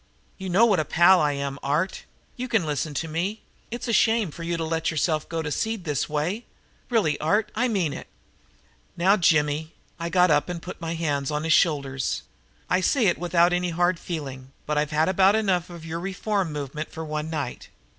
You know what a pal I am, Art. You can listen to me. It's a shame for you to let yourself go to seed this way. Really, Art, I mean it." "Now, Jimmy," I got up and put my hands on his shoulders. "I say it without any hard feeling, but I've had about enough of your reform movement for one night.